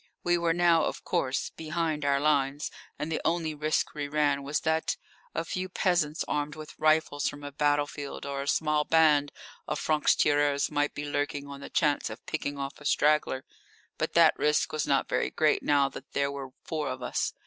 We were now, of course, behind our lines, and the only risk we ran was that a few peasants armed with rifles from a battlefield or a small band of francs tireurs might be lurking on the chance of picking off a straggler. But that risk was not very great now that there were four of us.